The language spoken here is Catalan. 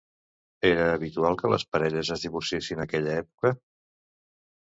Era habitual que les parelles es divorciessin a aquella època?